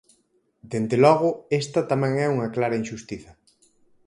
Dende logo, esta tamén é unha clara inxustiza.